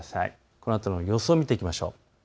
このあとの予想を見ていきましょう。